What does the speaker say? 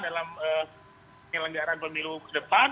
dalam penyelenggaraan pemilu ke depan